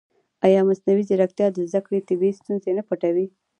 ایا مصنوعي ځیرکتیا د زده کړې طبیعي ستونزې نه پټوي؟